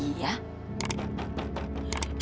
bu ingrid buka pintunya